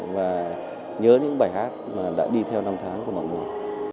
và nhớ những bài hát mà đã đi theo năm tháng của mọi người